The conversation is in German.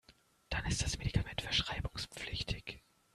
Dann ist das Medikament verschreibungspflichtig.